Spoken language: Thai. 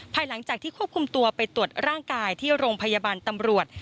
หลังจากที่ควบคุมตัวไปตรวจร่างกายที่โรงพยาบาลตำรวจ